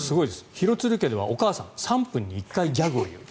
廣津留家では、お母さん３分に１回ギャグを言う。